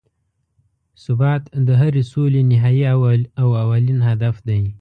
ثبات د هرې سولې نهایي او اولین هدف دی.